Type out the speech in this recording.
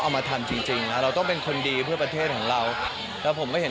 เอามาทำจริงจริงนะเราต้องเป็นคนดีเพื่อประเทศของเราแล้วผมก็เห็น